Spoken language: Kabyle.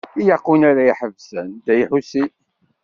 Ilaq win ara iḥebsen Dda Lḥusin.